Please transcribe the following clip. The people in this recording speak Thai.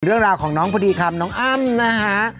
เรื่องราวของน้องพอดีคำน้องอ้ำนะฮะ